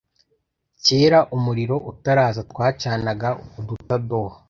Cyera umuriro utaraza twacanaga udutadowa